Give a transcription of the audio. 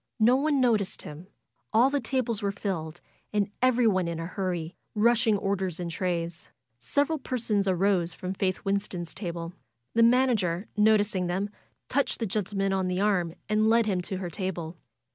No one noticed him. All the tables were filled, and everyone in a hurry, rushing orders and trays. FAITH 231 Several persons arose from Faith Winston's table. The manager, noticing them, touched the gentleman on the arm and led him to her table.